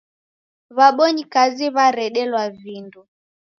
W'abonyikazi w'aredelwa vindo